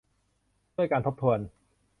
ด้วยการทบทวน